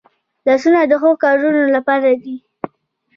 لاسونه د ښو کارونو لپاره دي